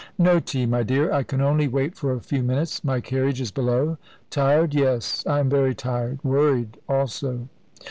"No tea, my dear. I can only wait for a few minutes; my carriage is below. Tired? Yes, I am very tired; worried, also."